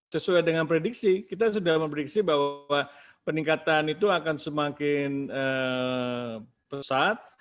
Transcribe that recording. sesuai dengan prediksi kita sudah memprediksi bahwa peningkatan itu akan semakin pesat